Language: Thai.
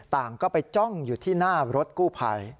ต่างก็ไปจ้องอยู่ที่หน้ารถกู้ภัย